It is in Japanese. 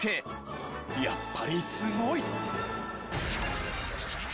やっぱりスゴい！